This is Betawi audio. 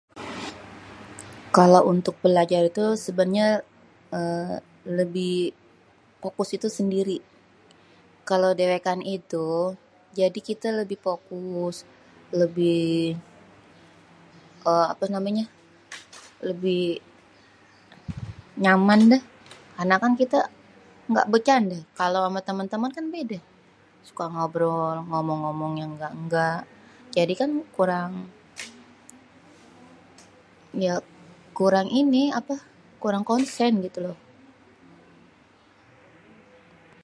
kalo untuk belajar itu sebenernya êê lebih fokus itu sendiri.. kalo dewékan itu jadi kitè lebih fokus.. lebih uhm apa namanya.. lebih nyaman déh.. karena kita kan ngga becandé.. kalo ama temen-temen kan beda.. suka ngobrol, ngomong-ngomong yang ngga-ngga.. jadi kan yaa kurang konsén gitu..